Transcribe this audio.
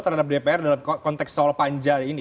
terhadap dpr dalam konteks soal panja ini